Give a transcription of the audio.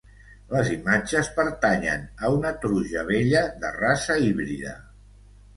Les imatges pertanyen a una truja vella de raça híbrida.